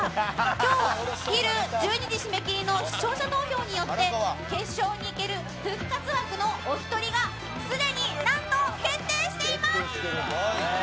きょうお昼１２時締め切りの視聴者投票によって決勝に行ける復活枠のお１人がすでになんと決定しています！